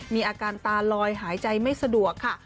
มีอาการตาลอยหายใจไม่สะดวกค่ะ